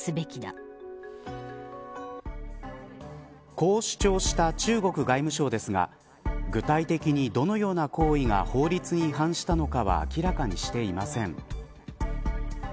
こう主張した中国外務省ですが具体的にどのような行為が法律に違反したのかは明らかにしていません。